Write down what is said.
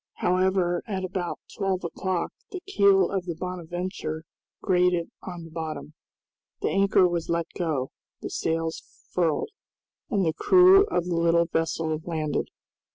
However, at about twelve o'clock the keel of the "Bonadventure" grated on the bottom. The anchor was let go, the sails furled, and the crew of the little vessel landed.